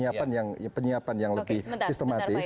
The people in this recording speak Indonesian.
terus ada penyiapan yang lebih sistematis